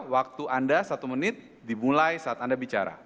waktu anda satu menit dimulai saat anda bicara